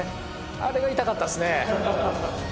あれが痛かったですね